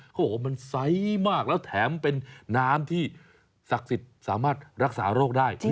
เขาบอกว่ามันไซส์มากแล้วแถมเป็นน้ำที่ศักดิ์สิทธิ์สามารถรักษาโรคได้